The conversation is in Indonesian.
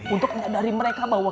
untuk menyadari mereka bahwa